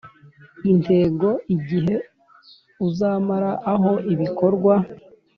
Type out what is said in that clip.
Intego igihe uzamara aho ibikorwa